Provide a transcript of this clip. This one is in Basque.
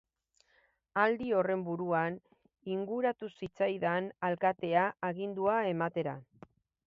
Aldi horren buruan inguratu zitzaidan alkatea agindua ematera.